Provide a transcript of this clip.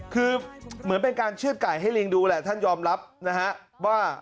คือเหมือนเป็นการเชื่อดไก่ให้ลิงดูแหละท่านยอมรับนะฮะว่า